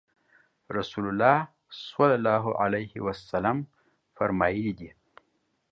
رسول الله صلی الله علیه وسلم فرمایلي دي